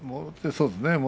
そうですね。